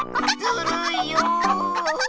ずるいよ！